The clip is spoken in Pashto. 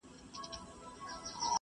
د پانګونې کچه په هيواد کې لوړه کړئ.